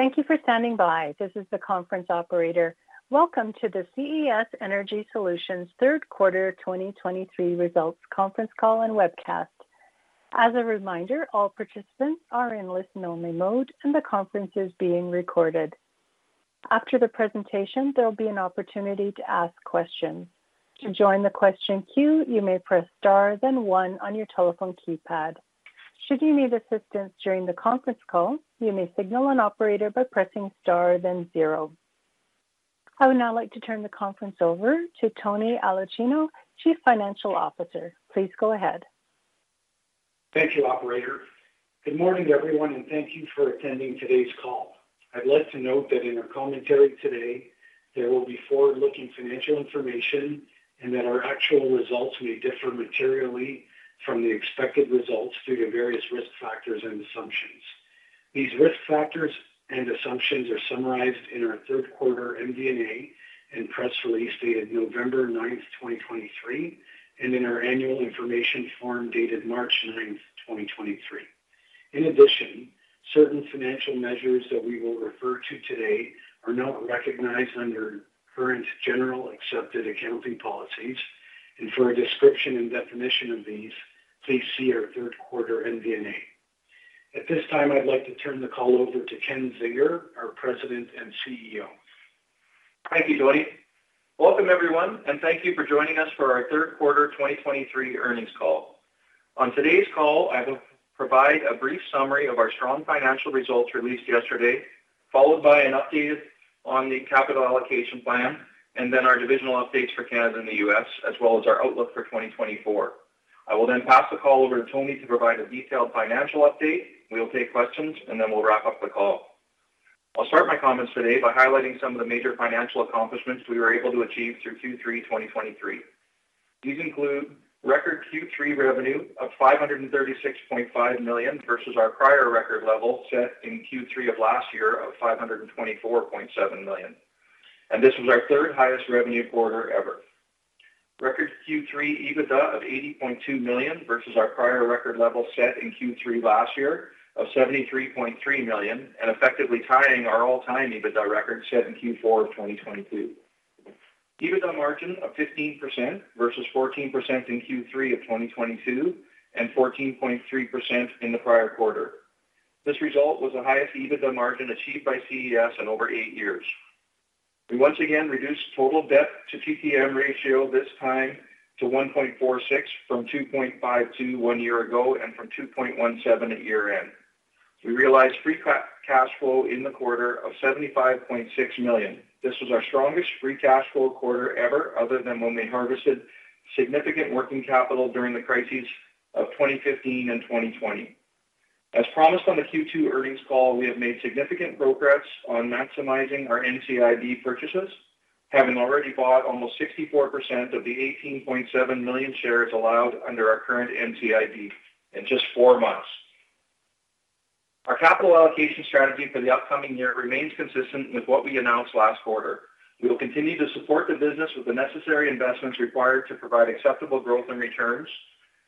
Thank you for standing by. This is the conference operator. Welcome to the CES Energy Solutions third quarter 2023 results conference call and webcast. As a reminder, all participants are in listen-only mode and the conference is being recorded. After the presentation, there will be an opportunity to ask questions. To join the question queue, you may press Star, then one on your telephone keypad. Should you need assistance during the conference call, you may signal an operator by pressing Star, then zero. I would now like to turn the conference over to Tony Aulicino, Chief Financial Officer. Please go ahead. Thank you, operator. Good morning, everyone, and thank you for attending today's call. I'd like to note that in our commentary today, there will be forward-looking financial information and that our actual results may differ materially from the expected results due to various Risk Factors and assumptions. These Risk Factors and assumptions are summarized in our third quarter MD&A and press release dated November 9th, 2023, and in our Annual Information Form dated March 9th, 2023. In addition, certain financial measures that we will refer to today are not recognized under current generally accepted accounting principles, and for a description and definition of these, please see our third quarter MD&A. At this time, I'd like to turn the call over to Ken Zinger, our President and CEO. Thank you, Tony. Welcome, everyone, and thank you for joining us for our third quarter 2023 earnings call. On today's call, I will provide a brief summary of our strong financial results released yesterday, followed by an update on the capital allocation plan and then our divisional updates for Canada and the U.S., as well as our outlook for 2024. I will then pass the call over to Tony to provide a detailed financial update. We will take questions and then we'll wrap up the call. I'll start my comments today by highlighting some of the major financial accomplishments we were able to achieve through Q3 2023. These include record Q3 revenue of 536.5 million, versus our prior record level set in Q3 of last year of 524.7 million, and this was our third highest revenue quarter ever. Record Q3 EBITDA of 80.2 million, versus our prior record level set in Q3 last year of 73.3 million, and effectively tying our all-time EBITDA record set in Q4 of 2022. EBITDA margin of 15% versus 14% in Q3 of 2022 and 14.3% in the prior quarter. This result was the highest EBITDA margin achieved by CES in over eight years. We once again reduced total debt to TTM ratio, this time to 1.46 from 2.52 one year ago and from 2.17 at year-end. We realized free cash flow in the quarter of 75.6 million. This was our strongest free cash flow quarter ever, other than when we harvested significant working capital during the crises of 2015 and 2020. As promised on the Q2 earnings call, we have made significant progress on maximizing our NCIB purchases, having already bought almost 64% of the 18.7 million shares allowed under our current NCIB in just 4 months. Our capital allocation strategy for the upcoming year remains consistent with what we announced last quarter. We will continue to support the business with the necessary investments required to provide acceptable growth and returns.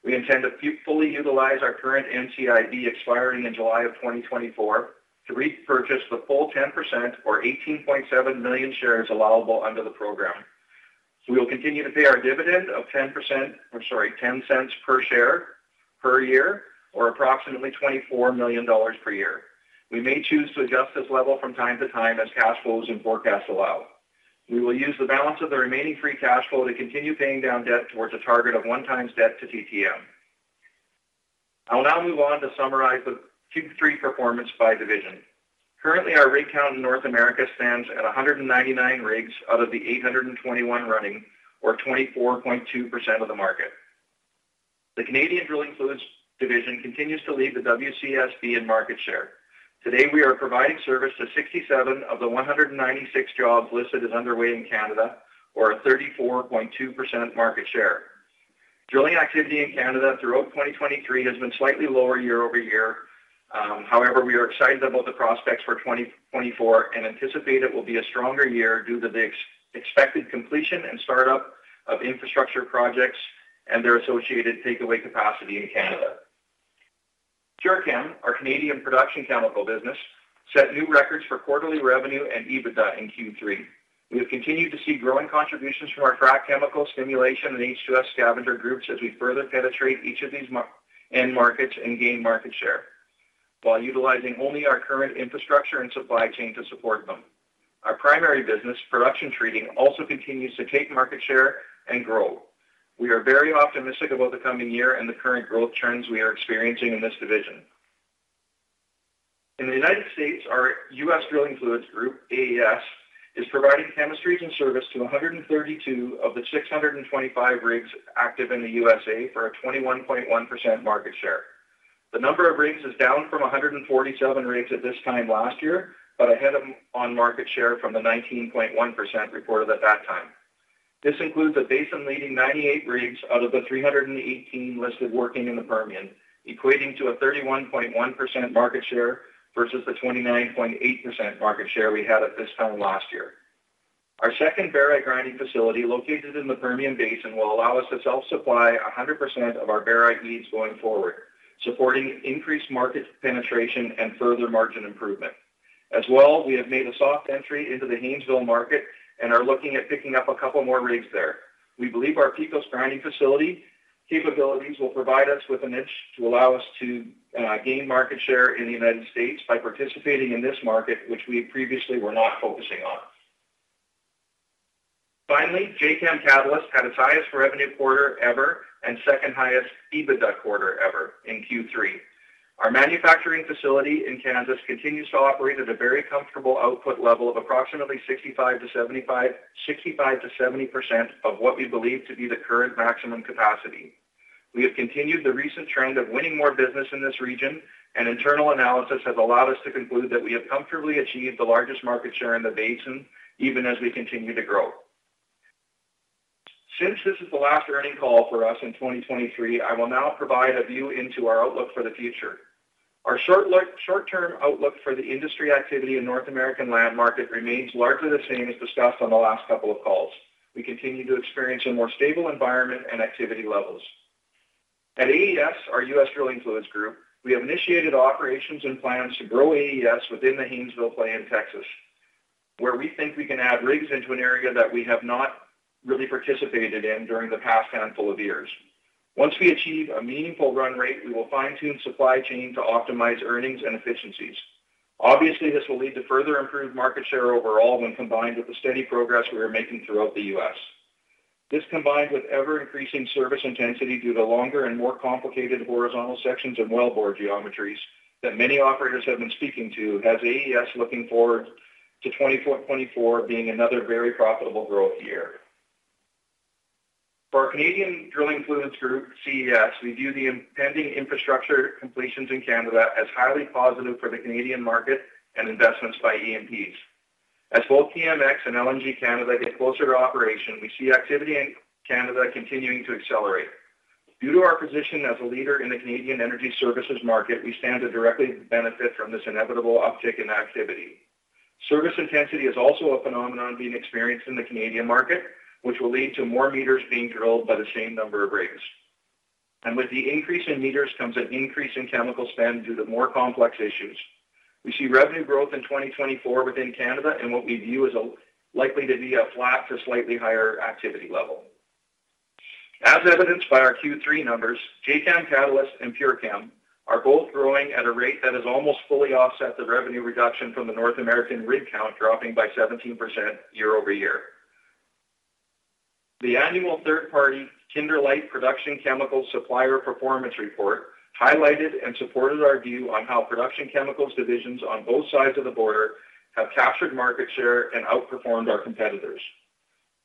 We intend to fully utilize our current NCIB, expiring in July 2024, to repurchase the full 10% or 18.7 million shares allowable under the program. We will continue to pay our dividend. I'm sorry, 0.10 per share per year, or approximately 24 million dollars per year. We may choose to adjust this level from time to time as cash flows and forecasts allow. We will use the balance of the remaining free cash flow to continue paying down debt towards a target of 1x debt to TTM. I will now move on to summarize the Q3 performance by division. Currently, our rig count in North America stands at 199 rigs out of the 821 running, or 24.2% of the market. The Canadian Drilling Fluids division continues to lead the WCSB in market share. Today, we are providing service to 67 of the 196 jobs listed as underway in Canada, or a 34.2% market share. Drilling activity in Canada throughout 2023 has been slightly lower year-over-year. However, we are excited about the prospects for 2024 and anticipate it will be a stronger year due to the expected completion and start-up of infrastructure projects and their associated takeaway capacity in Canada. PureChem, our Canadian Production Chemical business, set new records for quarterly revenue and EBITDA in Q3. We have continued to see growing contributions from our frac chemical stimulation and H2S scavenger groups as we further penetrate each of these end markets and gain market share, while utilizing only our current infrastructure and supply chain to support them. Our primary business, production treating, also continues to take market share and grow. We are very optimistic about the coming year and the current growth trends we are experiencing in this division. In the United States, our U.S. Drilling Fluids group, AES, is providing chemistries and service to 132 of the 625 rigs active in the U.S.A., for a 21.1% market share. The number of rigs is down from 147 rigs at this time last year, but ahead of, on market share from the 19.1% reported at that time. This includes a basin-leading 98 rigs out of the 318 listed working in the Permian, equating to a 31.1% market share versus the 29.8% market share we had at this time last year....Our second barite grinding facility, located in the Permian Basin, will allow us to self-supply 100% of our barite needs going forward, supporting increased market penetration and further margin improvement. As well, we have made a soft entry into the Haynesville market and are looking at picking up a couple more rigs there. We believe our Pecos grinding facility capabilities will provide us with a niche to allow us to gain market share in the United States by participating in this market, which we previously were not focusing on. Finally, Jacam Catalyst had its highest revenue quarter ever and second highest EBITDA quarter ever in Q3. Our manufacturing facility in Kansas continues to operate at a very comfortable output level of approximately 65%-70% of what we believe to be the current maximum capacity. We have continued the recent trend of winning more business in this region, and internal analysis has allowed us to conclude that we have comfortably achieved the largest market share in the basin, even as we continue to grow. Since this is the last earnings call for us in 2023, I will now provide a view into our outlook for the future. Our short-term outlook for the industry activity in North American land market remains largely the same as discussed on the last couple of calls. We continue to experience a more stable environment and activity levels. At AES, our U.S. Drilling Fluids group, we have initiated operations and plans to grow AES within the Haynesville play in Texas, where we think we can add rigs into an area that we have not really participated in during the past handful of years. Once we achieve a meaningful run rate, we will fine-tune supply chain to optimize earnings and efficiencies. Obviously, this will lead to further improved market share overall when combined with the steady progress we are making throughout the U.S. This, combined with ever-increasing service intensity due to longer and more complicated horizontal sections and wellbore geometries that many operators have been speaking to, has AES looking forward to 2024 being another very profitable growth year. For our Canadian Drilling Fluids group, CES, we view the impending infrastructure completions in Canada as highly positive for the Canadian market and investments by E&Ps. As both TMX and LNG Canada get closer to operation, we see activity in Canada continuing to accelerate. Due to our position as a leader in the Canadian energy services market, we stand to directly benefit from this inevitable uptick in activity. Service intensity is also a phenomenon being experienced in the Canadian market, which will lead to more meters being drilled by the same number of rigs. With the increase in meters comes an increase in chemical spend due to more complex issues. We see revenue growth in 2024 within Canada, and what we view as likely to be a flat to slightly higher activity level. As evidenced by our Q3 numbers, Jacam Catalyst and PureChem are both growing at a rate that has almost fully offset the revenue reduction from the North American rig count, dropping by 17% year-over-year. The annual third-party Kimberlite Production Chemical Supplier Performance Report highlighted and supported our view on how Production Chemicals divisions on both sides of the border have captured market share and outperformed our competitors.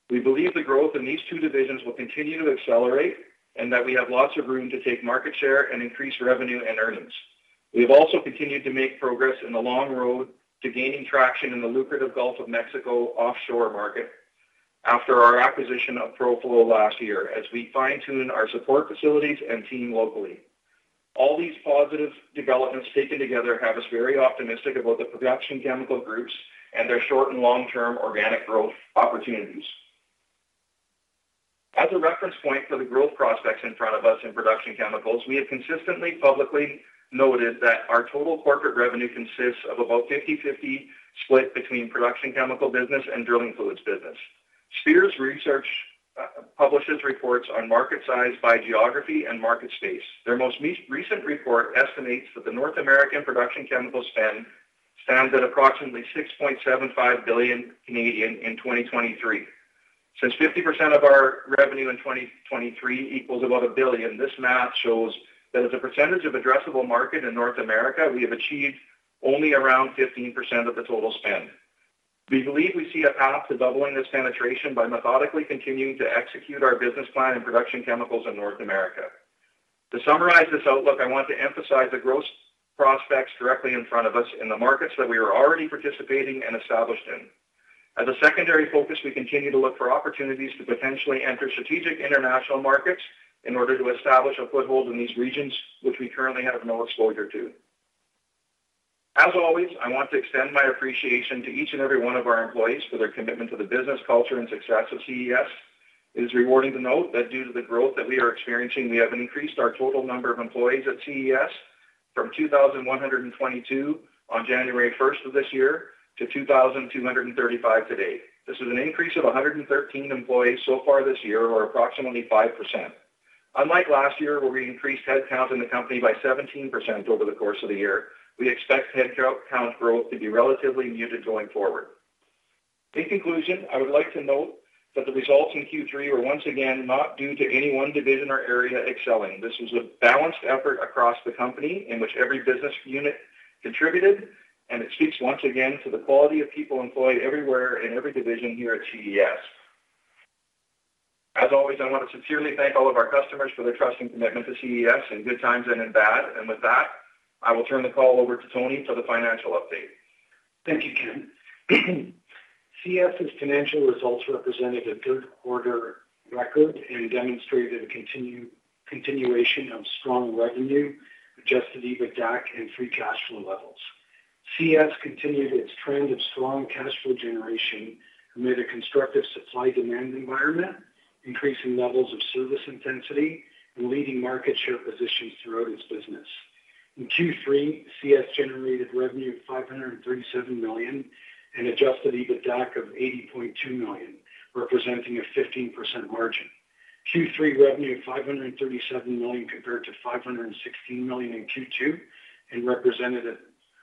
We believe the growth in these two divisions will continue to accelerate and that we have lots of room to take market share and increase revenue and earnings. We have also continued to make progress in the long road to gaining traction in the lucrative Gulf of Mexico offshore market after our acquisition of ProFlow last year, as we fine-tune our support facilities and team locally. All these positive developments taken together have us very optimistic about the Production Chemical groups and their short and long-term organic growth opportunities. As a reference point for the growth prospects in front of us in Production Chemicals, we have consistently publicly noted that our total corporate revenue consists of about 50/50 split between Production Chemical business and Drilling Fluids business. Spears Research publishes reports on market size by geography and market space. Their most recent report estimates that the North American Production Chemical spend stands at approximately 6.75 billion in 2023. Since 50% of our revenue in 2023 equals about 1 billion, this math shows that as a percentage of addressable market in North America, we have achieved only around 15% of the total spend. We believe we see a path to doubling this penetration by methodically continuing to execute our business plan in Production Chemicals in North America. To summarize this outlook, I want to emphasize the growth prospects directly in front of us in the markets that we are already participating and established in. As a secondary focus, we continue to look for opportunities to potentially enter strategic international markets in order to establish a foothold in these regions, which we currently have no exposure to. As always, I want to extend my appreciation to each and every one of our employees for their commitment to the business, culture, and success of CES. It is rewarding to note that due to the growth that we are experiencing, we have increased our total number of employees at CES from 2,122 on January first of this year to 2,235 to date. This is an increase of 113 employees so far this year, or approximately 5%. Unlike last year, where we increased headcount in the company by 17% over the course of the year, we expect headcount growth to be relatively muted going forward. In conclusion, I would like to note that the results in Q3 were once again not due to any one division or area excelling. This was a balanced effort across the company in which every business unit contributed, and it speaks once again to the quality of people employed everywhere in every division here at CES. As always, I want to sincerely thank all of our customers for their trust and commitment to CES in good times and in bad. With that, I will turn the call over to Tony for the financial update. Thank you, Ken. CES's financial results represented a good quarter record and demonstrated a continuation of strong revenue, adjusted EBITDAC and free cash flow levels. CES continued its trend of strong cash flow generation amid a constructive supply-demand environment, increasing levels of service intensity and leading market share positions throughout its business. In Q3, CES generated revenue of $537 million and adjusted EBITDAC of $80.2 million, representing a 15% margin. Q3 revenue of $537 million, compared to $516 million in Q2, and represented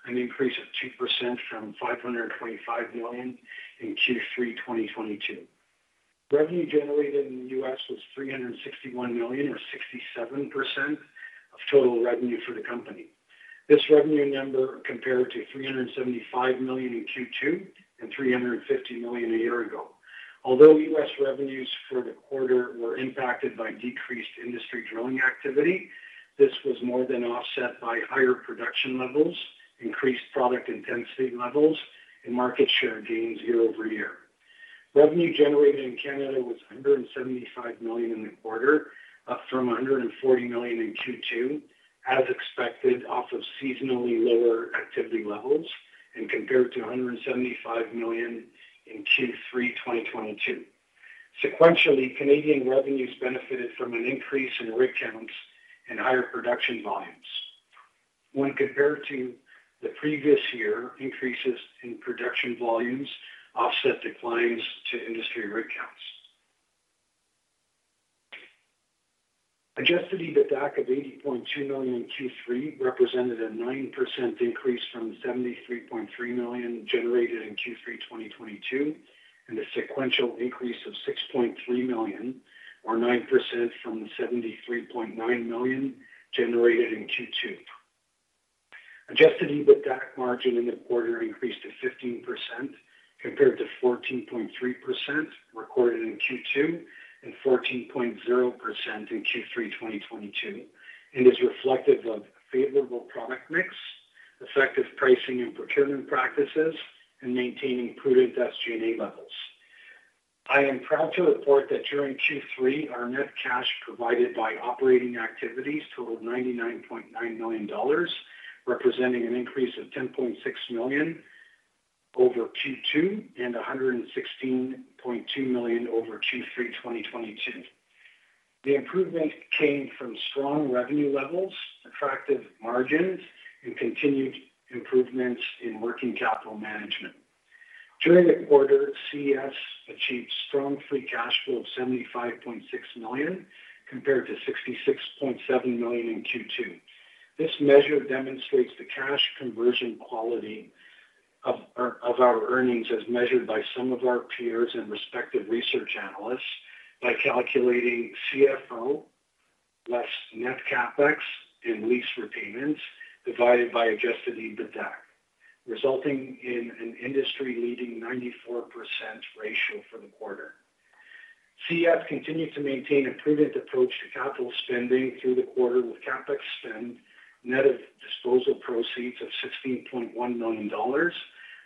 an increase of 2% from $525 million in Q3 2022. Revenue generated in the U.S. was $361 million, or 67% of total revenue for the company. This revenue number compared to $375 million in Q2 and $350 million a year ago. Although US revenues for the quarter were impacted by decreased industry drilling activity, this was more than offset by higher production levels, increased product intensity levels and market share gains year-over-year. Revenue generated in Canada was $175 million in the quarter, up from $140 million in Q2, as expected, off of seasonally lower activity levels and compared to $175 million in Q3 2022. Sequentially, Canadian revenues benefited from an increase in rig counts and higher production volumes. When compared to the previous year, increases in production volumes offset declines to industry rig counts. Adjusted EBITDAC of $80.2 million in Q3 represented a 9% increase from $73.3 million generated in Q3 2022, and a sequential increase of $6.3 million, or 9% from $73.9 million generated in Q2. Adjusted EBITDAC margin in the quarter increased to 15%, compared to 14.3% recorded in Q2 and 14.0% in Q3 2022, and is reflective of favorable product mix, effective pricing and procurement practices, and maintaining prudent SG&A levels. I am proud to report that during Q3, our net cash provided by operating activities totaled $99.9 million, representing an increase of $10.6 million over Q2 and $116.2 million over Q3 2022. The improvement came from strong revenue levels, attractive margins, and continued improvements in working capital management. During the quarter, CES achieved strong free cash flow of 75.6 million, compared to 66.7 million in Q2. This measure demonstrates the cash conversion quality of our earnings, as measured by some of our peers and respective research analysts, by calculating CFO less net CapEx and lease repayments divided by adjusted EBITDAC, resulting in an industry-leading 94% ratio for the quarter. CES continued to maintain a prudent approach to capital spending through the quarter, with CapEx spend net of disposal proceeds of 16.1 million dollars,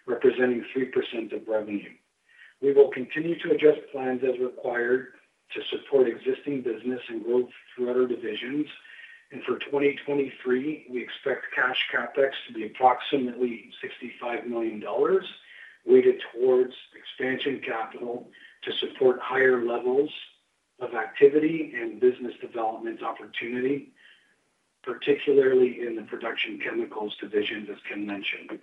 representing 3% of revenue. We will continue to adjust plans as required to support existing business and growth through our divisions. For 2023, we expect cash CapEx to be approximately 65 million dollars, weighted towards expansion capital to support higher levels of activity and business development opportunity, particularly in the Production Chemicals division, as Ken mentioned.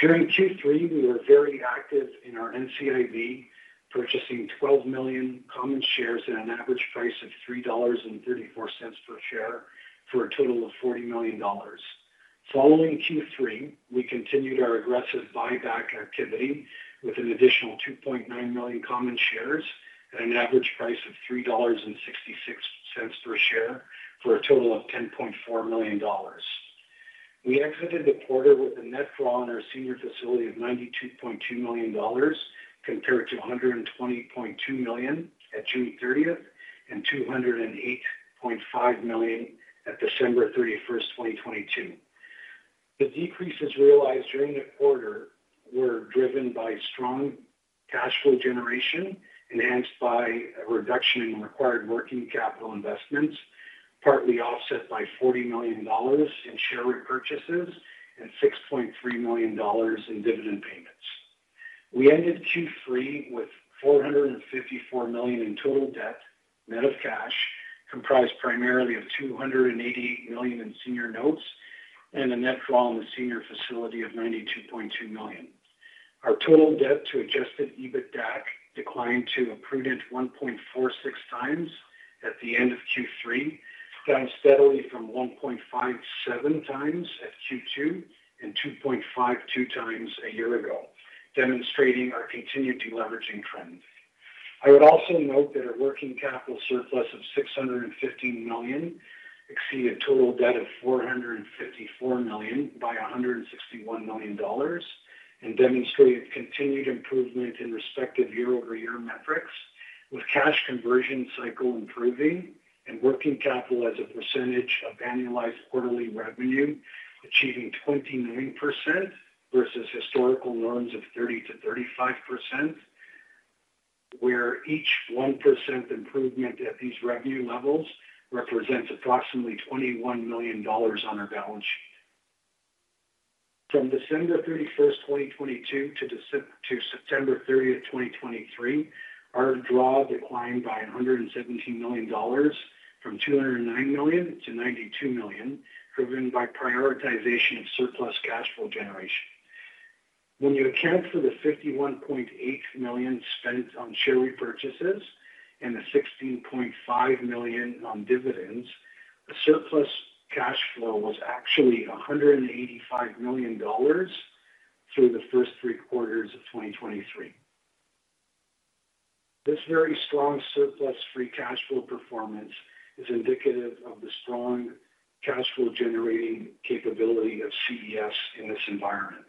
During Q3, we were very active in our NCIB, purchasing 12 million common shares at an average price of 3.34 dollars per share, for a total of 40 million dollars. Following Q3, we continued our aggressive buyback activity with an additional 2.9 million common shares at an average price of 3.66 dollars per share, for a total of 10.4 million dollars. We exited the quarter with a net draw on our senior facility of 92.2 million dollars, compared to 120.2 million at June 30 and 208.5 million at December 31st, 2022. The decreases realized during the quarter were driven by strong cash flow generation, enhanced by a reduction in required working capital investments, partly offset by $40 million in share repurchases and $6.3 million in dividend payments. We ended Q3 with 454 million in total debt, net of cash, comprised primarily of 288 million in senior notes and a net draw on the senior facility of 92.2 million. Our total debt to adjusted EBITDAC declined to a prudent 1.46x at the end of Q3, down steadily from 1.57x at Q2 and 2.52x a year ago, demonstrating our continued deleveraging trend. I would also note that a working capital surplus of 650 million exceeded total debt of 454 million by 161 million dollars, and demonstrated continued improvement in respective year-over-year metrics, with cash conversion cycle improving and working capital as a percentage of annualized quarterly revenue achieving 29% versus historical norms of 30%-35%. Where each 1% improvement at these revenue levels represents approximately 21 million dollars on our balance sheet. From December 31st, 2022, to September 30th, 2023, our draw declined by 117 million dollars, from 209 million to 92 million, driven by prioritization of surplus cash flow generation. When you account for the $51.8 million spent on share repurchases and the $16.5 million on dividends, the surplus cash flow was actually $185 million through the first three quarters of 2023. This very strong surplus free cash flow performance is indicative of the strong cash flow generating capability of CES in this environment.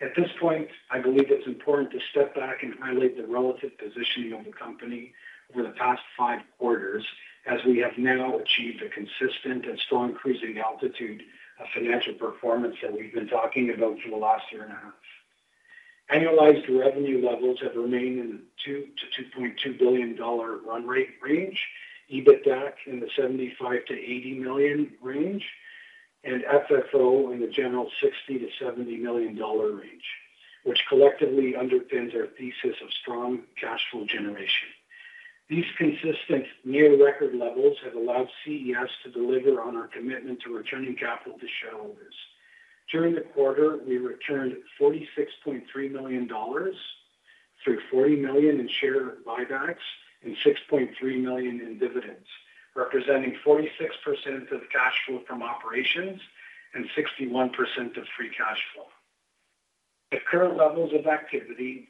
At this point, I believe it's important to step back and highlight the relative positioning of the company over the past five quarters, as we have now achieved a consistent and still increasing altitude of financial performance that we've been talking about for the last year and a half. Annualized revenue levels have remained in $2-$2.2 billion run rate range, EBITDA in the $75 million-$80 million range, and FFO in the general $60 million-$70 million range, which collectively underpins our thesis of strong cash flow generation. These consistent near record levels have allowed CES to deliver on our commitment to returning capital to shareholders. During the quarter, we returned $46.3 million, through $40 million in share buybacks and $6.3 million in dividends, representing 46% of cash flow from operations and 61% of free cash flow. At current levels of activity,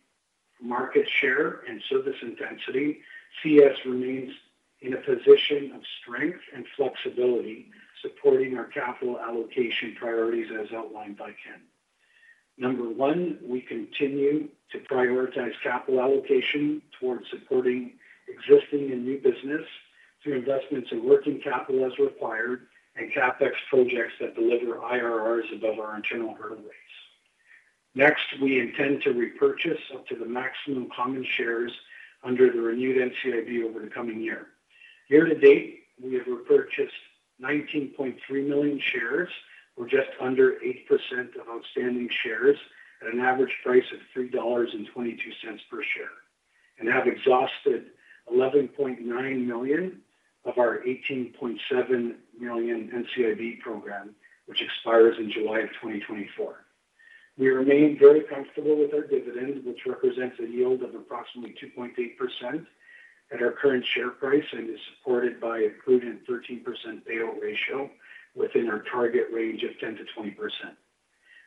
market share and service intensity, CES remains in a position of strength and flexibility, supporting our capital allocation priorities as outlined by Ken. Number one, we continue to prioritize capital allocation towards supporting existing and new business through investments in working capital as required and CapEx projects that deliver IRRs above our internal hurdle rates. Next, we intend to repurchase up to the maximum common shares under the renewed NCIB over the coming year. Year-to-date, we have repurchased 19.3 million shares, or just under 8% of outstanding shares, at an average price of 3.22 dollars per share, and have exhausted 11.9 million of our 18.7 million NCIB program, which expires in July of 2024. We remain very comfortable with our dividend, which represents a yield of approximately 2.8% at our current share price and is supported by a prudent 13% payout ratio within our target range of 10%-20%.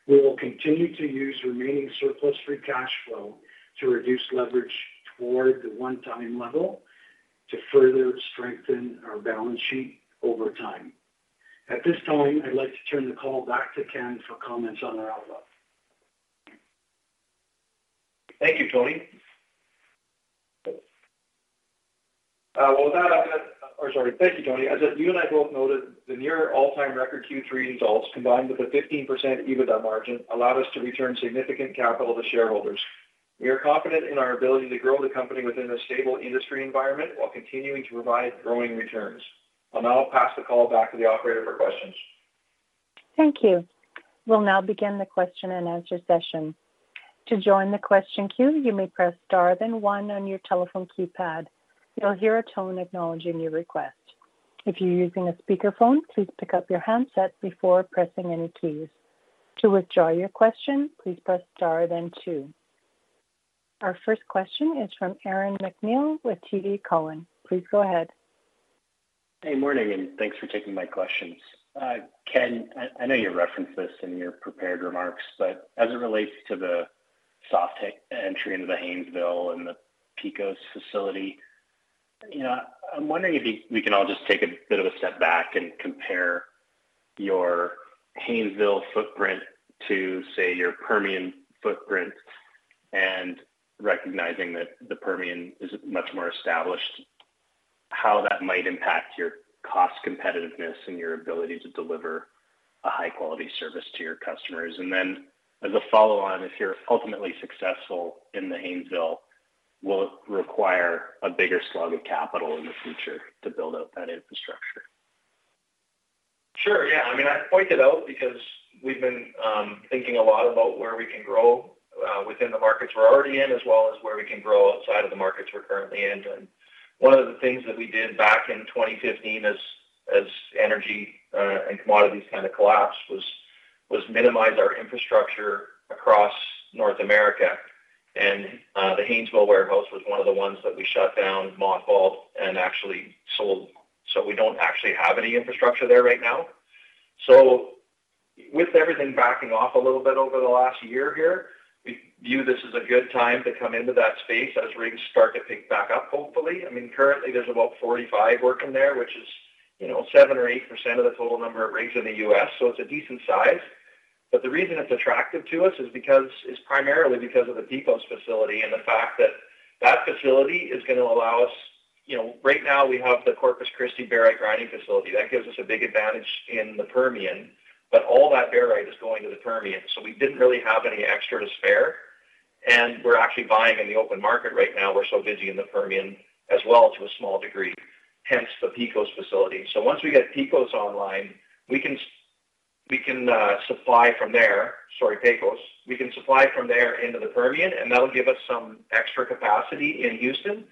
We will continue to use remaining surplus free cash flow to reduce leverage toward the one-time level to further strengthen our balance sheet over time. At this time, I'd like to turn the call back to Ken for comments on our outlook. Thank you, Tony. As you and I both noted, the near all-time record Q3 results, combined with a 15% EBITDA margin, allowed us to return significant capital to shareholders. We are confident in our ability to grow the company within a stable industry environment while continuing to provide growing returns. I'll now pass the call back to the operator for questions. Thank you. We'll now begin the question-and-answer session. To join the question queue, you may press Star, then one on your telephone keypad. You'll hear a tone acknowledging your request. If you're using a speakerphone, please pick up your handset before pressing any keys. To withdraw your question, please press Star, then two. Our first question is from Aaron MacNeil with TD Cowen. Please go ahead. Hey, morning, and thanks for taking my questions. Ken, I know you referenced this in your prepared remarks, but as it relates to the soft tech entry into the Haynesville and the Pecos facility, you know, I'm wondering if we can all just take a bit of a step back and compare your Haynesville footprint to, say, your Permian footprint, and recognizing that the Permian is much more established, how that might impact your cost competitiveness and your ability to deliver a high-quality service to your customers? And then, as a follow-on, if you're ultimately successful in the Haynesville, will it require a bigger slug of capital in the future to build out that infrastructure? Sure, yeah. I mean, I pointed out because we've been thinking a lot about where we can grow within the markets we're already in, as well as where we can grow outside of the markets we're currently in. And one of the things that we did back in 2015 as energy and commodities kind of collapsed was minimize our infrastructure across North America. And the Haynesville warehouse was one of the ones that we shut down, mothballed, and actually sold. So we don't actually have any infrastructure there right now. So with everything backing off a little bit over the last year here, we view this as a good time to come into that space as rigs start to pick back up, hopefully. I mean, currently there's about 45 working there, which is, you know, 7% or 8% of the total number of rigs in the U.S., so it's a decent size. But the reason it's attractive to us is because it's primarily because of the Pecos facility and the fact that that facility is gonna allow us—you know, right now we have the Corpus Christi barite grinding facility. That gives us a big advantage in the Permian, but all that barite is going to the Permian, so we didn't really have any extra to spare, and we're actually buying in the open market right now. We're so busy in the Permian as well, to a small degree, hence the Pecos facility. So once we get Pecos online, we can, we can supply from there. Sorry, Pecos. We can supply from there into the Permian, and that'll give us some extra capacity in Houston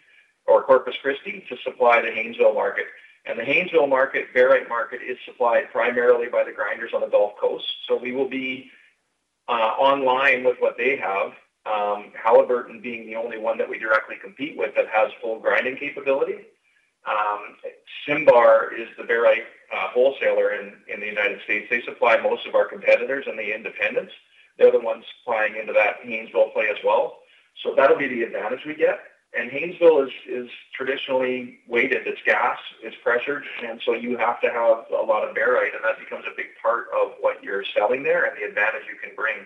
or Corpus Christi to supply the Haynesville market. And the Haynesville market, barite market, is supplied primarily by the grinders on the Gulf Coast. So we will be online with what they have, Halliburton being the only one that we directly compete with that has full grinding capability. Cimbar is the barite wholesaler in the United States. They supply most of our competitors and the independents. They're the ones supplying into that Haynesville play as well. So that'll be the advantage we get. And Haynesville is traditionally weighted, it's gas, it's pressured, and so you have to have a lot of barite, and that becomes a big part of what you're selling there and the advantage you can bring.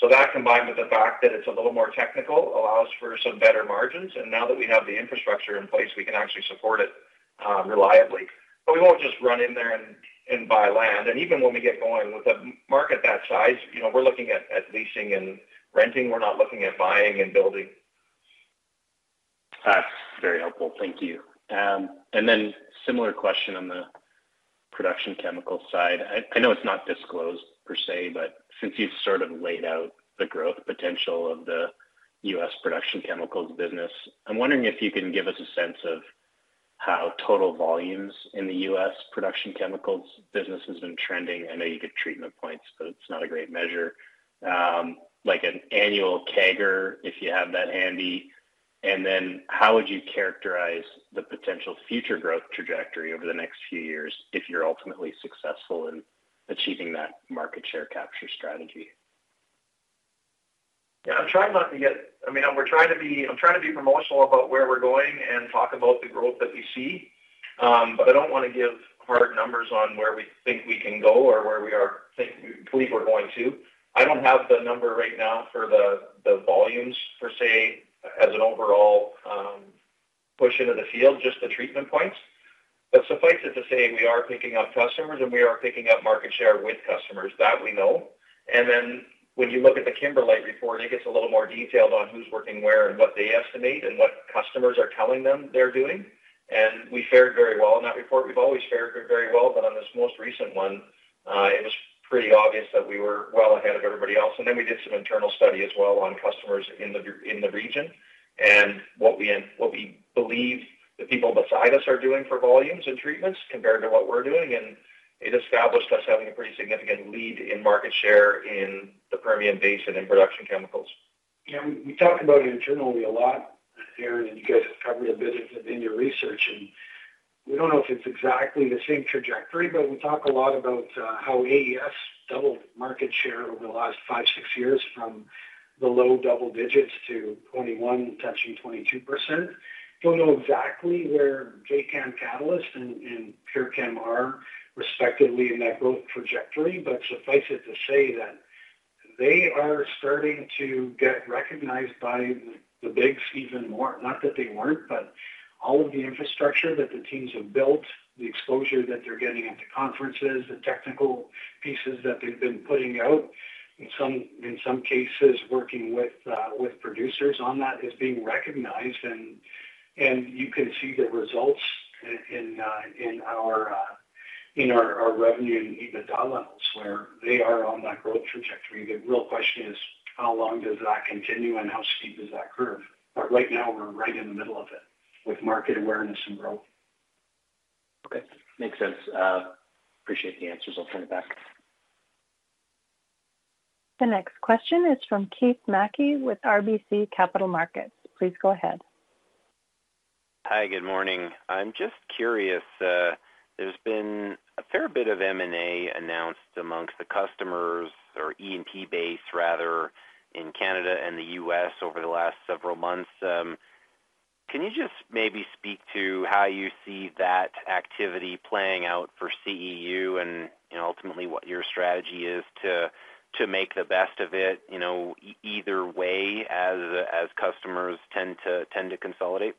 So that, combined with the fact that it's a little more technical, allows for some better margins, and now that we have the infrastructure in place, we can actually support it reliably. But we won't just run in there and buy land. And even when we get going with a market that size, you know, we're looking at leasing and renting. We're not looking at buying and building. That's very helpful. Thank you. And then similar question on the Production Chemical side. I know it's not disclosed per se, but since you've sort of laid out the growth potential of the U.S. Production Chemicals business, I'm wondering if you can give us a sense of how total volumes in the U.S. Production Chemicals business has been trending. I know you get treatment points, but it's not a great measure. Like an annual CAGR, if you have that handy. And then how would you characterize the potential future growth trajectory over the next few years if you're ultimately successful in achieving that market share capture strategy? Yeah, I'm trying not to get—I mean, we're trying to be—I'm trying to be promotional about where we're going and talk about the growth that we see. But I don't want to give hard numbers on where we think we can go or where we believe we're going to. I don't have the number right now for the volumes per se, as an overall push into the field, just the treatment points. But suffice it to say, we are picking up customers, and we are picking up market share with customers. That we know. And then when you look at the Kimberlite report, it gets a little more detailed on who's working where and what they estimate and what customers are telling them they're doing. And we fared very well in that report. We've always fared very well, but on this most recent one, it was pretty obvious that we were well ahead of everybody else. And then we did some internal study as well on customers in the region, and what we believe the people beside us are doing for volumes and treatments compared to what we're doing. And it established us having a pretty significant lead in market share in the Permian Basin in Production Chemicals. Yeah, we, we talked about it internally a lot, Aaron, and you guys have covered it a bit in your research, and we don't know if it's exactly the same trajectory, but we talk a lot about how AES doubled market share over the last 5-6 years, from the low double digits to 21, touching 22%. Don't know exactly where Jacam Catalyst and PureChem are respectively in that growth trajectory, but suffice it to say that they are starting to get recognized by the bigs even more. Not that they weren't, but all of the infrastructure that the teams have built, the exposure that they're getting at the conferences, the technical pieces that they've been putting out, in some cases, working with producers on that, is being recognized. You can see the results in our revenue and EBITDA levels, where they are on that growth trajectory. The real question is: how long does that continue, and how steep is that curve? But right now, we're right in the middle of it, with market awareness and growth. Okay, makes sense. Appreciate the answers. I'll turn it back. The next question is from Keith Mackey with RBC Capital Markets. Please go ahead. Hi, good morning. I'm just curious, there's been a fair bit of M&A announced amongst the customers or E&P base, rather, in Canada and the U.S. over the last several months. Can you just maybe speak to how you see that activity playing out for CEU and, you know, ultimately, what your strategy is to make the best of it, you know, either way, as customers tend to consolidate?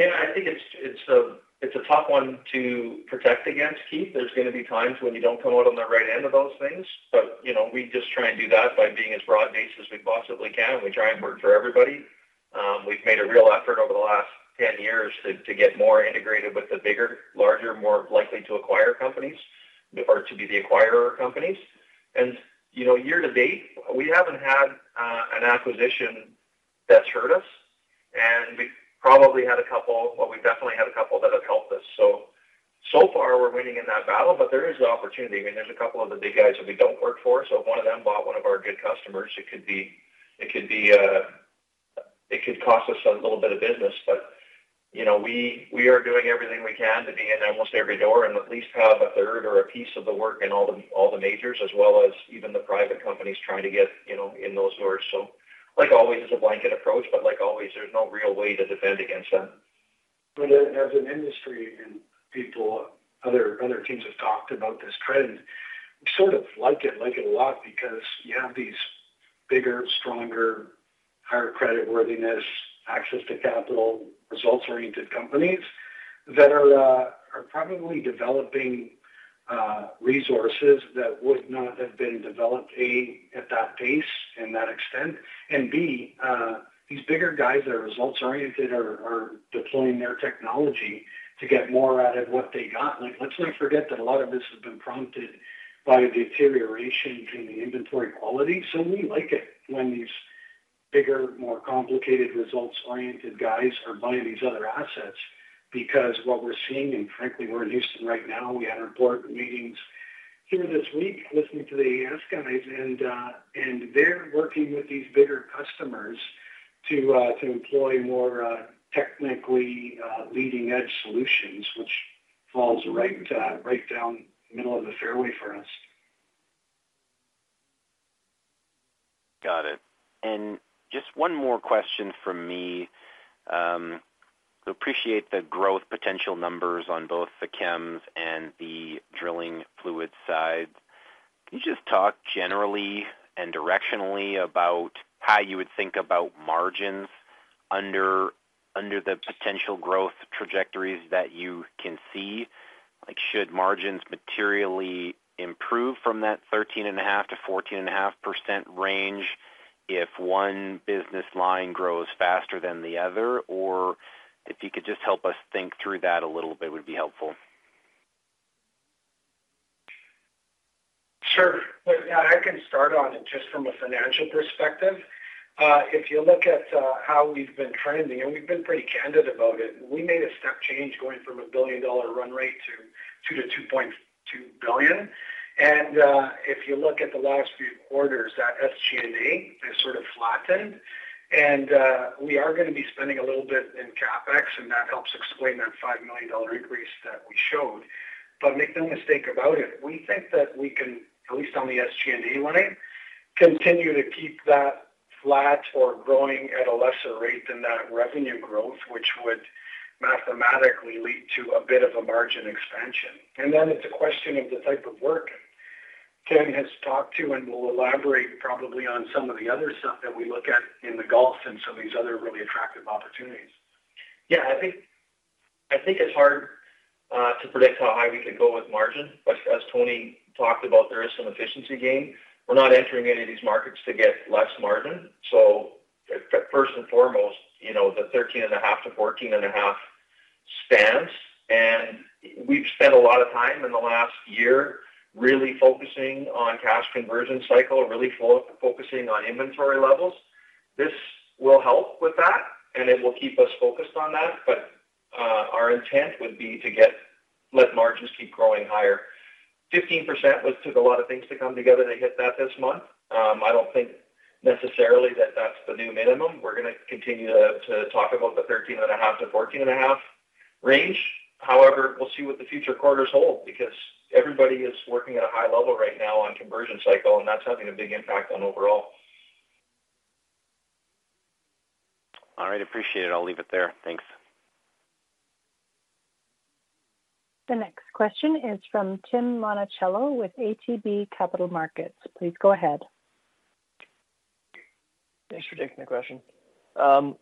Yeah, I think it's a tough one to protect against, Keith. There's going to be times when you don't come out on the right end of those things, but, you know, we just try and do that by being as broad-based as we possibly can, and we try and work for everybody. We've made a real effort over the last 10 years to get more integrated with the bigger, larger, more likely to acquire companies or to be the acquirer companies. And, you know, year-to-date, we haven't had an acquisition that's hurt us, and we've probably had a couple... Well, we've definitely had a couple that have helped us. So far, we're winning in that battle, but there is an opportunity. I mean, there's a couple of the big guys that we don't work for. So if one of them bought one of our good customers, it could be, it could be, it could cost us a little bit of business. But, you know, we, we are doing everything we can to be in almost every door and at least have a third or a piece of the work in all the, all the majors, as well as even the private companies trying to get, you know, in those doors. So like always, it's a blanket approach, but like always, there's no real way to defend against that. But as an industry and people, other teams have talked about this trend, we sort of like it, like it a lot because you have these bigger, stronger, higher creditworthiness, access to capital, results-oriented companies that are probably developing resources that would not have been developed, A, at that pace and that extent, and B, these bigger guys that are results-oriented are deploying their technology to get more out of what they got. Like, let's not forget that a lot of this has been prompted by a deterioration in the inventory quality. So we like it when these bigger, more complicated, results-oriented guys are buying these other assets, because what we're seeing, and frankly, we're in Houston right now, we had our board meetings here this week, listening to the AES guys, and they're working with these bigger customers to employ more technically leading-edge solutions, which falls right down the middle of the fairway for us. Got it. Just one more question from me. So appreciate the growth potential numbers on both the chems and the drilling fluid side. Can you just talk generally and directionally about how you would think about margins under the potential growth trajectories that you can see? Like, should margins materially improve from that 13.5%-14.5% range if one business line grows faster than the other? Or if you could just help us think through that a little bit, would be helpful. Sure. Well, I can start on it just from a financial perspective. If you look at how we've been trending, and we've been pretty candid about it, we made a step change going from a billion-dollar run rate to $2-$2.2 billion. And if you look at the last few quarters, that SG&A has sort of flattened. And we are gonna be spending a little bit in CapEx, and that helps explain that $5 million increase that we showed. But make no mistake about it, we think that we can, at least on the SG&A line, continue to keep that flat or growing at a lesser rate than that revenue growth, which would mathematically lead to a bit of a margin expansion. Then it's a question of the type of work Ken has talked to, and we'll elaborate probably on some of the other stuff that we look at in the Gulf and some of these other really attractive opportunities. Yeah, I think, I think it's hard to predict how high we could go with margin, but as Tony talked about, there is some efficiency gain. We're not entering any of these markets to get less margin. So first and foremost, you know, the 13.5%-14.5% stands, and we've spent a lot of time in the last year really focusing on cash conversion cycle, really focusing on inventory levels. This will help with that, and it will keep us focused on that, but our intent would be to let margins keep growing higher. 15%, which took a lot of things to come together to hit that this month. I don't think necessarily that that's the new minimum. We're gonna continue to talk about the 13.5%-14.5% range. However, we'll see what the future quarters hold, because everybody is working at a high level right now on conversion cycle, and that's having a big impact on overall. All right, appreciate it. I'll leave it there. Thanks. The next question is from Tim Monachello with ATB Capital Markets. Please go ahead. Thanks for taking the question. I'm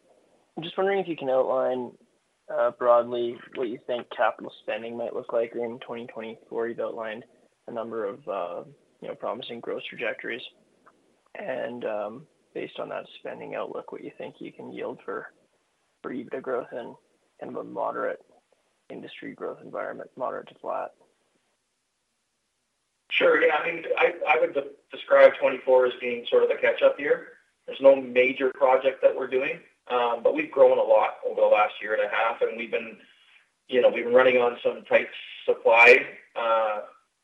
just wondering if you can outline broadly what you think capital spending might look like in 2024. You've outlined a number of, you know, promising growth trajectories, and based on that spending outlook, what you think you can yield for EBITDA growth in a moderate industry growth environment, moderate to flat? Sure. Yeah, I mean, I would describe 2024 as being sort of the catch-up year. There's no major project that we're doing, but we've grown a lot over the last year and a half, and we've been, you know, we've been running on some tight supply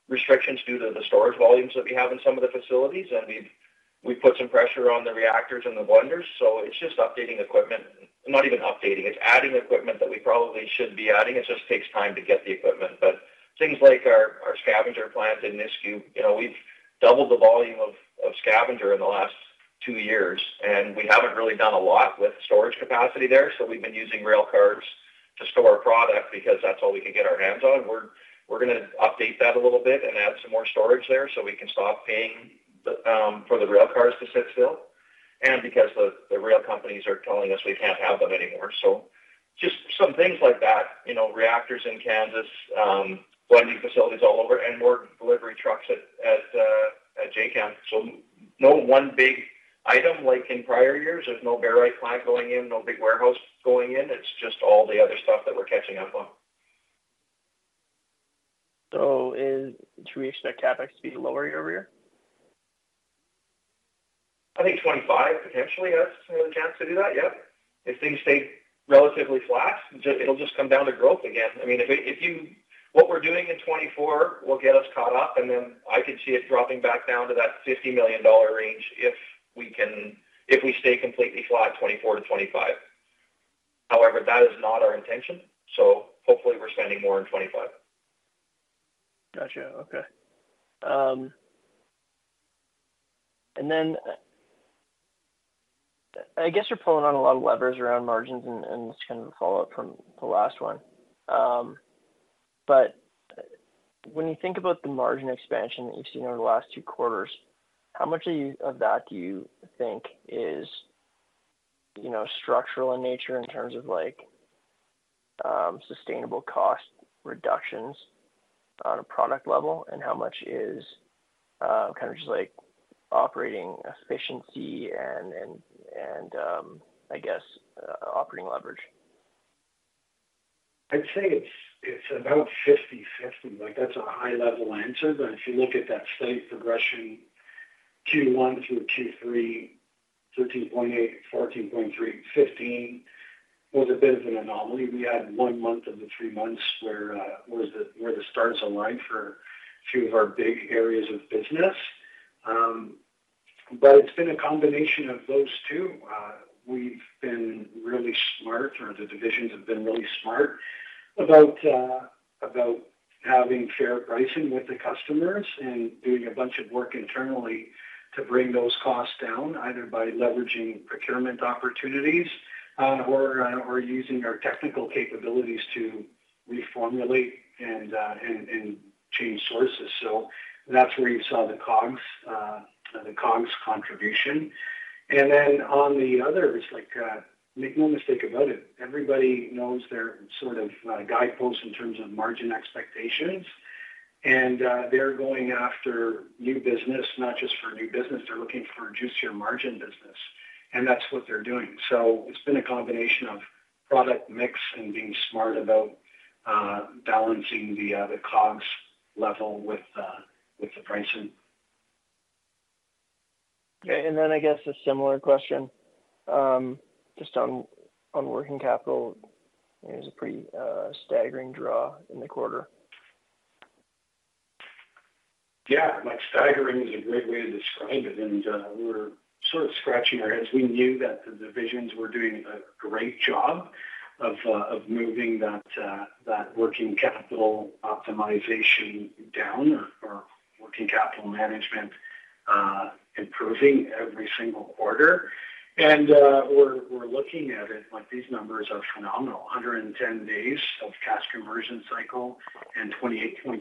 restrictions due to the storage volumes that we have in some of the facilities, and we've put some pressure on the reactors and the blenders, so it's just updating equipment. Not even updating, it's adding equipment that we probably should be adding. It just takes time to get the equipment. But things like our scavenger plant in Nisku, you know, we've doubled the volume of scavenger in the last two years, and we haven't really done a lot with storage capacity there, so we've been using rail cars to store product because that's all we can get our hands on. We're gonna update that a little bit and add some more storage there so we can stop paying for the rail cars to sit still, and because the rail companies are telling us we can't have them anymore. So just some things like that, you know, reactors in Kansas, blending facilities all over and more delivery trucks at Jacam. So no one big item like in prior years. There's no barite plant going in, no big warehouse going in. It's just all the other stuff that we're catching up on. So, do we expect CapEx to be lower year-over-year? I think 2025 potentially has some of the chance to do that, yeah. If things stay relatively flat, just, it'll just come down to growth again. I mean, if what we're doing in 2024 will get us caught up, and then I could see it dropping back down to that $50 million range, if we stay completely flat, 2024-2025. However, that is not our intention, so hopefully, we're spending more in 2025. Gotcha. Okay. And then, I guess you're pulling on a lot of levers around margins, and it's kind of a follow-up from the last one. But when you think about the margin expansion that you've seen over the last two quarters, how much of that do you think is, you know, structural in nature in terms of like sustainable cost reductions on a product level? And how much is kind of just like operating efficiency and I guess operating leverage? I'd say it's about 50/50. Like, that's a high-level answer, but if you look at that steady progression, Q1 through Q3, 13.85, 14.3%, 15% was a bit of an anomaly. We had one month of the three months where the stars aligned for a few of our big areas of business. But it's been a combination of those two. We've been really smart, or the divisions have been really smart about having fair pricing with the customers and doing a bunch of work internally to bring those costs down, either by leveraging procurement opportunities, or using our technical capabilities to reformulate and change sources. So that's where you saw the COGS contribution. Then on the other, it's like, make no mistake about it, everybody knows their sort of guideposts in terms of margin expectations. They're going after new business. Not just for new business, they're looking for juicier margin business, and that's what they're doing. It's been a combination of product mix and being smart about balancing the COGS level with the pricing. Okay, and then I guess a similar question, just on working capital. It was a pretty staggering draw in the quarter. Yeah, like staggering is a great way to describe it, and we were sort of scratching our heads. We knew that the divisions were doing a great job of moving that working capital optimization down or working capital management, improving every single quarter. We were looking at it like these numbers are phenomenal. 110 days of cash conversion cycle and 28.7%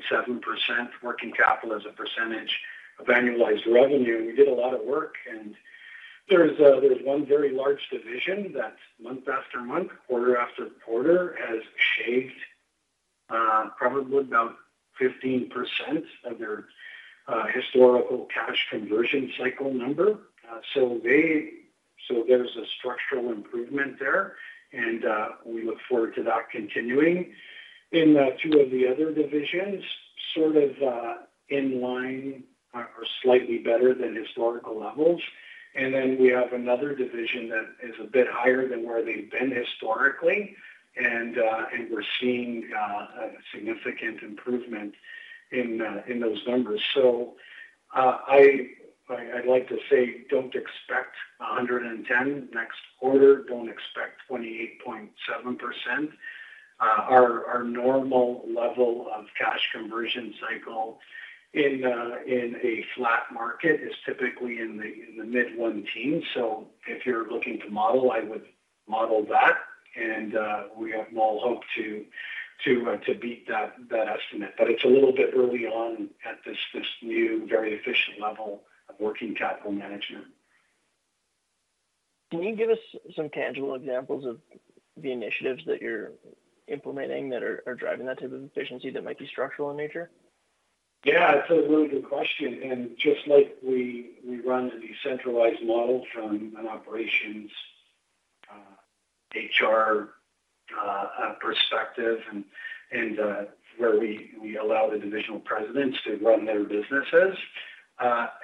working capital as a percentage of annualized revenue. We did a lot of work, and there's one very large division that month after month, quarter after quarter, has shaved probably about 15% of their historical cash conversion cycle number. So there's a structural improvement there, and we look forward to that continuing. In two of the other divisions, sort of in line or slightly better than historical levels. And then we have another division that is a bit higher than where they've been historically, and we're seeing a significant improvement in those numbers. So, I'd like to say, don't expect 110 next quarter. Don't expect 28.7%. Our normal level of cash conversion cycle in a flat market is typically in the mid-teens. So if you're looking to model, I would model that, and we all hope to beat that estimate. But it's a little bit early on at this new, very efficient level of working capital management. Can you give us some tangible examples of the initiatives that you're implementing that are driving that type of efficiency that might be structural in nature? Yeah, it's a really good question, and just like we run a decentralized model from an operations, HR perspective, and where we allow the divisional presidents to run their businesses.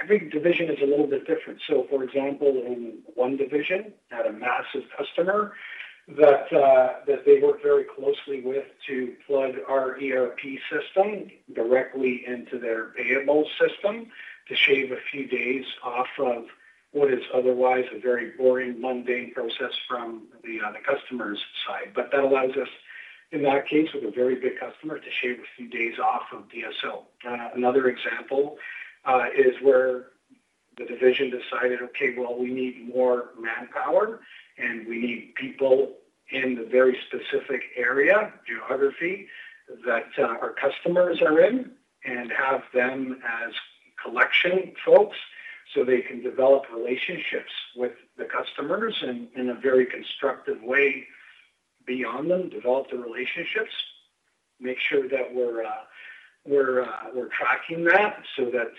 Every division is a little bit different. So, for example, in one division, had a massive customer that they worked very closely with to plug our ERP system directly into their payable system, to shave a few days off of what is otherwise a very boring, mundane process from the customer's side. But that allows us, in that case, with a very big customer, to shave a few days off of DSO. Another example is where the division decided, okay, well, we need more manpower, and we need people in the very specific area, geography, that our customers are in, and have them as collection folks, so they can develop relationships with the customers and in a very constructive way beyond them, develop the relationships. Make sure that we're tracking that so that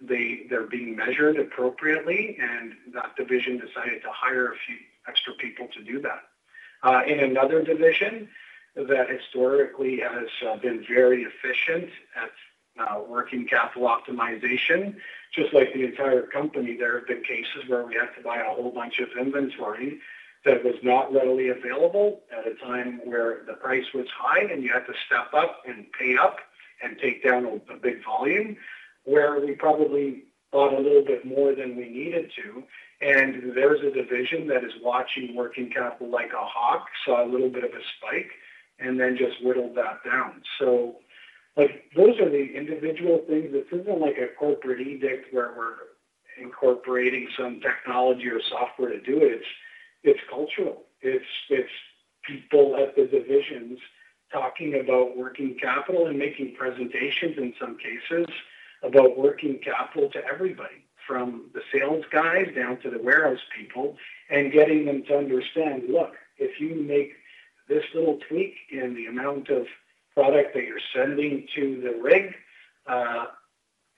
they're being measured appropriately, and that division decided to hire a few extra people to do that. In another division that historically has been very efficient at working capital optimization, just like the entire company, there have been cases where we had to buy a whole bunch of inventory that was not readily available at a time where the price was high, and you had to step up and pay up and take down a big volume. Where we probably bought a little bit more than we needed to, and there's a division that is watching working capital like a hawk, saw a little bit of a spike and then just whittled that down. So, Like, those are the individual things. This isn't like a corporate edict where we're incorporating some technology or software to do it. It's, it's cultural. It's, it's people at the divisions talking about working capital and making presentations, in some cases, about working capital to everybody, from the sales guys down to the warehouse people, and getting them to understand, look, if you make this little tweak in the amount of product that you're sending to the rig,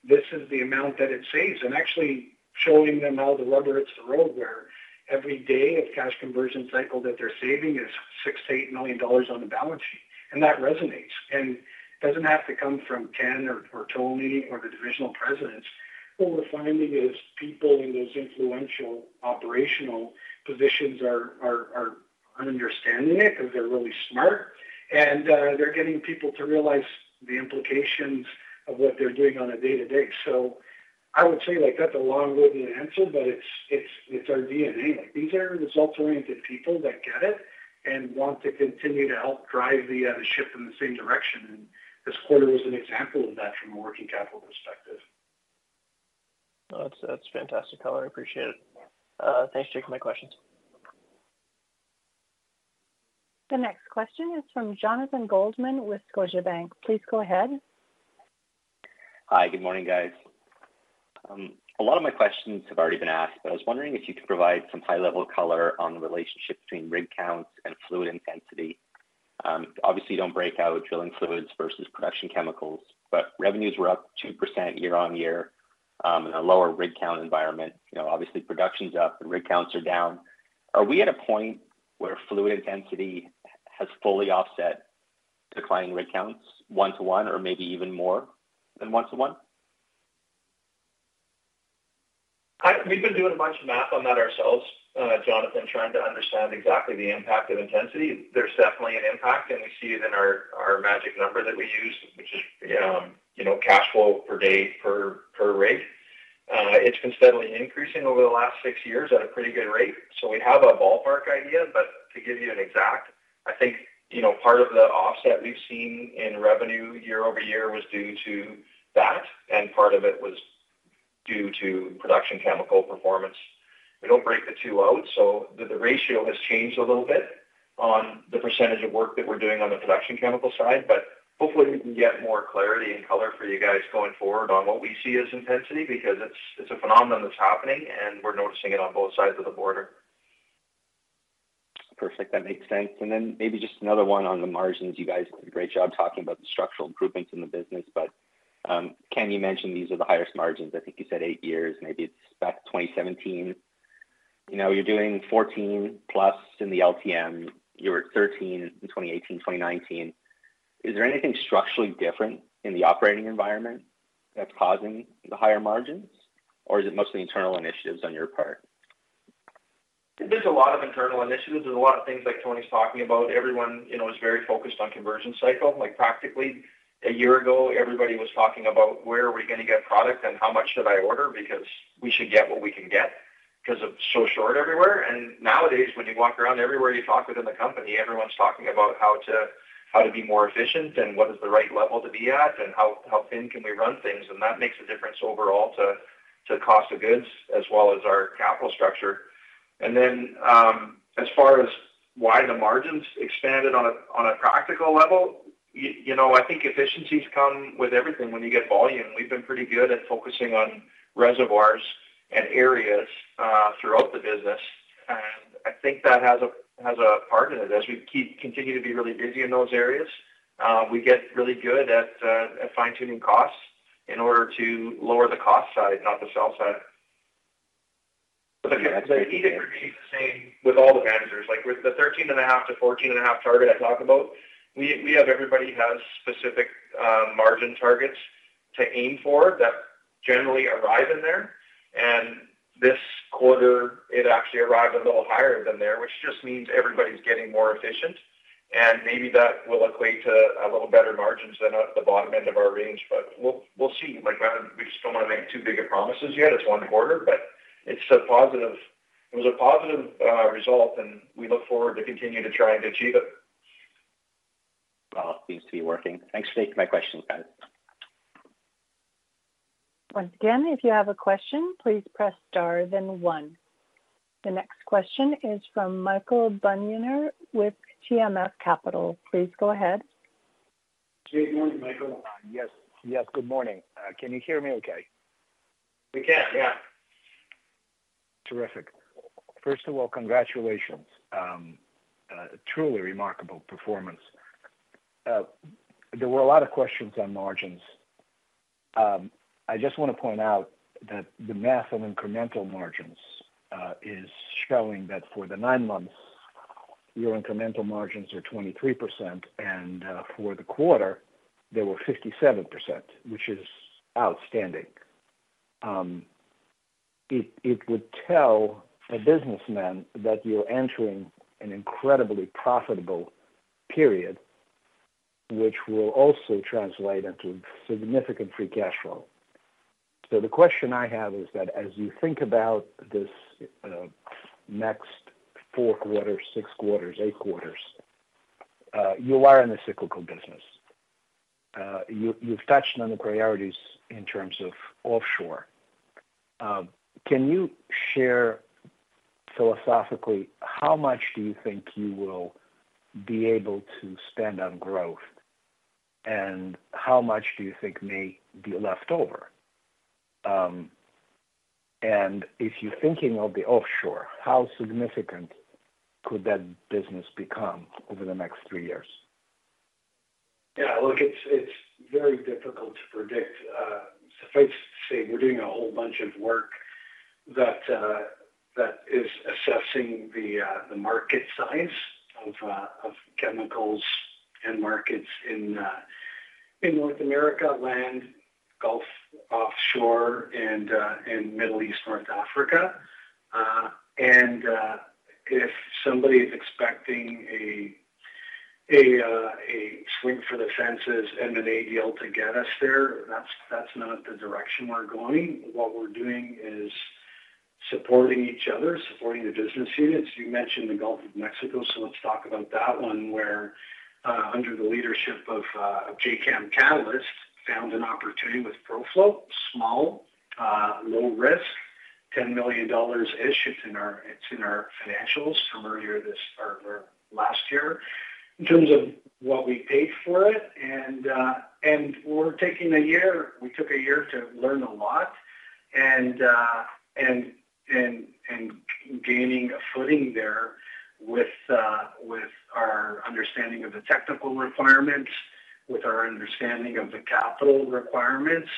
this is the amount that it saves. And actually showing them how the rubber hits the road, where every day of cash conversion cycle that they're saving is $6 million-$8 million on the balance sheet, and that resonates. And it doesn't have to come from Ken or, or Tony, or the divisional presidents. What we're finding is people in those influential operational positions are understanding it because they're really smart, and they're getting people to realize the implications of what they're doing on a day-to-day. So I would say, like, that's a long-winded answer, but it's our D&A. Like, these are results-oriented people that get it and want to continue to help drive the ship in the same direction, and this quarter was an example of that from a working capital perspective. That's fantastic color. I appreciate it. Yeah. Thanks, gents. My questions. The next question is from Jonathan Goldman with Scotiabank. Please go ahead. Hi, good morning, guys. A lot of my questions have already been asked, but I was wondering if you could provide some high-level color on the relationship between rig counts and fluid intensity. Obviously, you don't break out Drilling Fluids versus Production Chemicals, but revenues were up 2% year-on-year, in a lower rig count environment. You know, obviously, production's up and rig counts are down. Are we at a point where fluid intensity has fully offset declining rig counts, 1-to-1, or maybe even more than 1-to-1? We've been doing a bunch of math on that ourselves, Jonathan, trying to understand exactly the impact of intensity. There's definitely an impact, and we see it in our magic number that we use, which is, you know, cash flow per day per rig. It's been steadily increasing over the last six years at a pretty good rate. So we have a ballpark idea, but to give you an exact, I think, you know, part of the offset we've seen in revenue year-over-year was due to that, and part of it was due to Production Chemical performance. We don't break the two out, so the ratio has changed a little bit on the percentage of work that we're doing on the Production Chemical side. But hopefully, we can get more clarity and color for you guys going forward on what we see as intensity, because it's a phenomenon that's happening, and we're noticing it on both sides of the border. Perfect. That makes sense. And then maybe just another one on the margins. You guys did a great job talking about the structural improvements in the business, but, Ken, you mentioned these are the highest margins. I think you said 8 years, maybe it's back 2017. You know, you're doing 14+ in the LTM. You were 13 in 2018, 2019. Is there anything structurally different in the operating environment that's causing the higher margins, or is it mostly internal initiatives on your part? There's a lot of internal initiatives. There's a lot of things like Tony's talking about. Everyone you know, is very focused on conversion cycle. Like, practically a year ago, everybody was talking about where are we gonna get product and how much should I order? Because we should get what we can get because it's so short everywhere. And nowadays, when you walk around, everywhere you talk within the company, everyone's talking about how to, how to be more efficient and what is the right level to be at, and how, how thin can we run things. And that makes a difference overall to, to cost of goods as well as our capital structure. And then, as far as why the margins expanded on a, on a practical level, you know, I think efficiencies come with everything when you get volume. We've been pretty good at focusing on reservoirs and areas throughout the business, and I think that has a part in it. As we continue to be really busy in those areas, we get really good at fine-tuning costs in order to lower the cost side, not the sell side. But the need it remains the same with all the managers. Like, with the 13.5%-14.5% target I talk about, we have everybody has specific margin targets to aim for that generally arrive in there, and this quarter it actually arrived a little higher than there, which just means everybody's getting more efficient, and maybe that will equate to a little better margins than at the bottom end of our range, but we'll see. Like, we just don't want to make too big of promises yet. It's one quarter, but it's a positive. It was a positive result, and we look forward to continue to try and achieve it. Well, it seems to be working. Thanks. Take my questions, guys. Once again, if you have a question, please press Star, then one. The next question is from Michael Bunyan with TMS Capital. Please go ahead. Good morning, Michael. Yes. Yes, good morning. Can you hear me okay? We can, yeah. Terrific. First of all, congratulations. Truly remarkable performance. There were a lot of questions on margins. I just want to point out that the math on incremental margins is showing that for the 9 months, your incremental margins are 23%, and for the quarter, they were 57%, which is outstanding. It would tell a businessman that you're entering an incredibly profitable period, which will also translate into significant free cash flow. So the question I have is that as you think about this, next 4 quarters, 6 quarters, 8 quarters, you are in a cyclical business. You’ve touched on the priorities in terms of offshore. Can you share philosophically, how much do you think you will be able to spend on growth, and how much do you think may be left over? If you're thinking of the offshore, how significant could that business become over the next three years? Yeah, look, it's very difficult to predict. Suffice to say, we're doing a whole bunch of work that is assessing the market size of chemicals and markets in North America, land, Gulf, offshore, and in Middle East, North Africa. And if somebody is expecting a swing for the fences and an A&D deal to get us there, that's not the direction we're going. What we're doing is supporting each other, supporting the business units. You mentioned the Gulf of Mexico, so let's talk about that one, where, under the leadership of Jacam Catalyst, found an opportunity with ProFlow. Small, low risk, $10 million-ish. It's in our financials from earlier this or last year, in terms of what we paid for it. We're taking a year, we took a year to learn a lot and gaining a footing there with our understanding of the technical requirements, with our understanding of the capital requirements,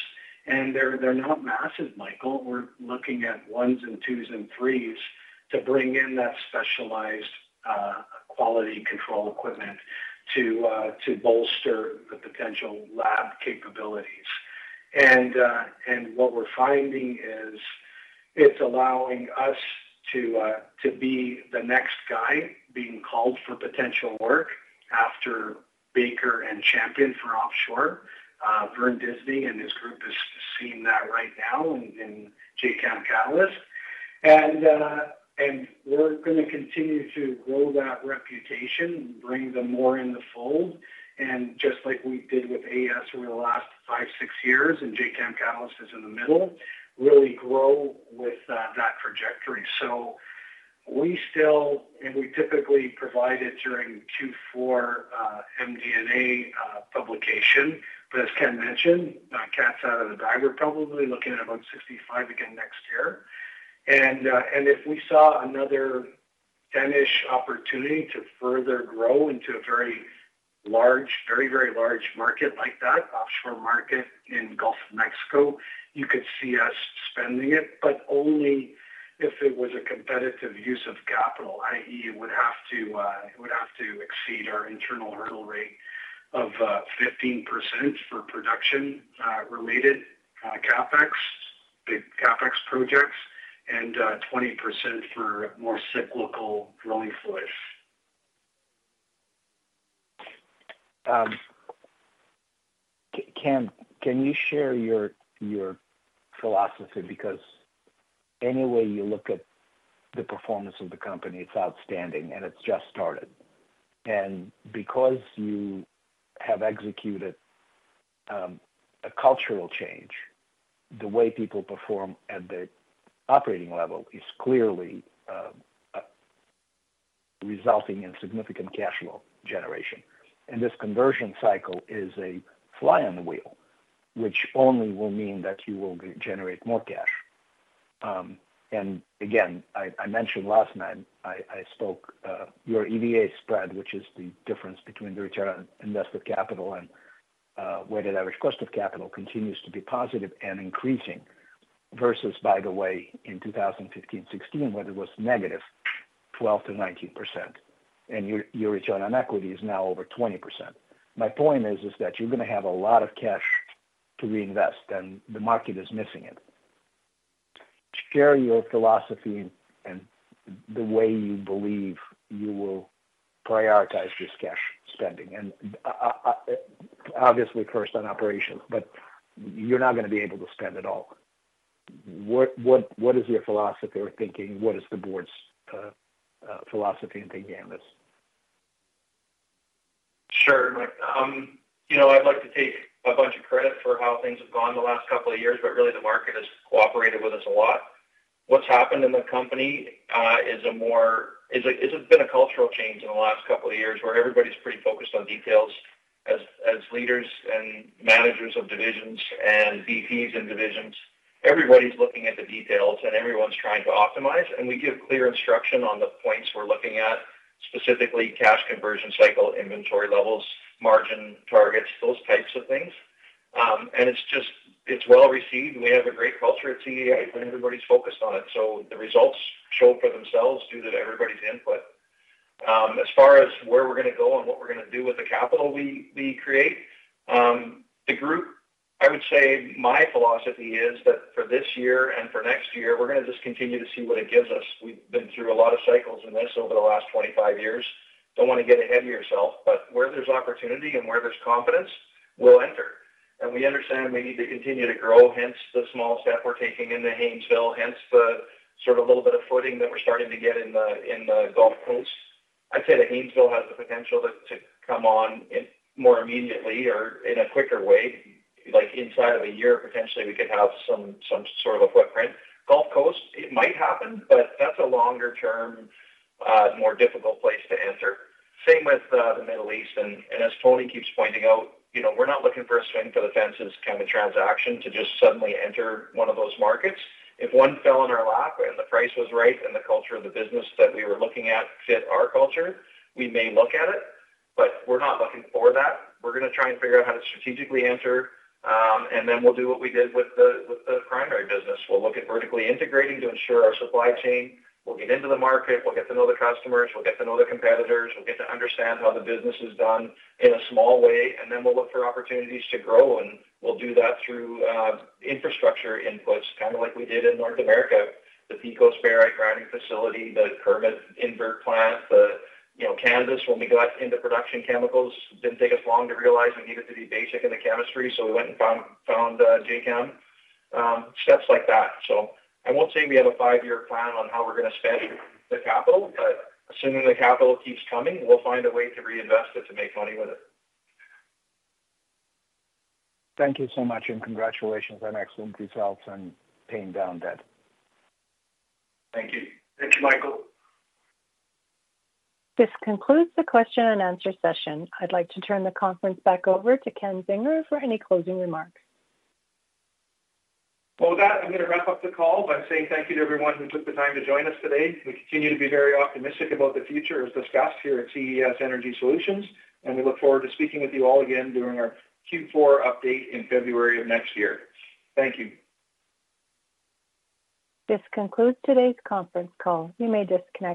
and they're not massive, Michael. We're looking at 1s and 2s and 3s to bring in that specialized quality control equipment to bolster the potential lab capabilities. And what we're finding is it's allowing us to be the next guy being called for potential work after Baker and Champion for offshore. Vern Disney and his group is seeing that right now in Jacam Catalyst. And we're gonna continue to grow that reputation and bring them more in the fold. And just like we did with AES over the last 5, 6 years, and Jacam Catalyst is in the middle, really grow with that trajectory. So we still, and we typically provide it during Q4 MD&A publication. But as Ken mentioned, cat's out of the bag, we're probably looking at about 65 again next year. And if we saw another 10-ish opportunity to further grow into a very large, very, very large market like that, offshore market in Gulf of Mexico, you could see us spending it, but only if it was a competitive use of capital, i.e., it would have to exceed our internal hurdle rate of 15% for production related CapEx, big CapEx projects, and 20% for more cyclical drilling fluid. Ken, can you share your philosophy? Because any way you look at the performance of the company, it's outstanding, and it's just started. Because you have executed a cultural change, the way people perform at the operating level is clearly resulting in significant cash flow generation. And this conversion cycle is a fly on the wheel, which only will mean that you will generate more cash. And again, I mentioned last night, I spoke your EVA spread, which is the difference between the return on invested capital and weighted average cost of capital, continues to be positive and increasing, versus, by the way, in 2015, 2016, when it was negative 12%-19%, and your return on equity is now over 20%. My point is that you're gonna have a lot of cash to reinvest, and the market is missing it. Share your philosophy and the way you believe you will prioritize this cash spending. And obviously, first on operations, but you're not gonna be able to spend it all. What is your philosophy or thinking? What is the board's philosophy and thinking on this? Sure, Mike. You know, I'd like to take a bunch of credit for how things have gone the last couple of years, but really, the market has cooperated with us a lot. What's happened in the company is it's been a cultural change in the last couple of years, where everybody's pretty focused on details. As leaders and managers of divisions and VPs and divisions, everybody's looking at the details, and everyone's trying to optimize, and we give clear instruction on the points we're looking at, specifically cash conversion cycle, inventory levels, margin targets, those types of things. And it's just, it's well received, and we have a great culture at CES, and everybody's focused on it. So the results show for themselves due to everybody's input. As far as where we're gonna go and what we're gonna do with the capital we create, the group, I would say my philosophy is that for this year and for next year, we're gonna just continue to see what it gives us. We've been through a lot of cycles in this over the last 25 years... don't want to get ahead of yourself, but where there's opportunity and where there's confidence, we'll enter. And we understand we need to continue to grow, hence the small step we're taking in the Haynesville, hence the sort of little bit of footing that we're starting to get in the Gulf Coast. I'd say the Haynesville has the potential to come on in more immediately or in a quicker way. Like, inside of a year, potentially, we could have some sort of a footprint. Gulf Coast, it might happen, but that's a longer term, more difficult place to enter. Same with the Middle East, and as Tony keeps pointing out, you know, we're not looking for a swing for the fences kind of transaction to just suddenly enter one of those markets. If one fell in our lap, and the price was right, and the culture of the business that we were looking at fit our culture, we may look at it, but we're not looking for that. We're going to try and figure out how to strategically enter, and then we'll do what we did with the primary business. We'll look at vertically integrating to ensure our supply chain. We'll get into the market. We'll get to know the customers. We'll get to know the competitors. We'll get to understand how the business is done in a small way, and then we'll look for opportunities to grow, and we'll do that through infrastructure inputs, kind of like we did in North America. The Pecos barite grinding facility, the Kermit invert plant, the, you know, Kansas, when we got into Production Chemicals, didn't take us long to realize we needed to be basic in the chemistry, so we went and found Jacam. Steps like that. So I won't say we have a five-year plan on how we're going to spend the capital, but assuming the capital keeps coming, we'll find a way to reinvest it to make money with it. Thank you so much, and congratulations on excellent results and paying down debt. Thank you. Thank you, Michael. This concludes the question and answer session. I'd like to turn the conference back over to Ken Zinger for any closing remarks. Well, with that, I'm going to wrap up the call by saying thank you to everyone who took the time to join us today. We continue to be very optimistic about the future, as discussed here at CES Energy Solutions, and we look forward to speaking with you all again during our Q4 update in February of next year. Thank you. This concludes today's conference call. You may disconnect.